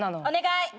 お願い！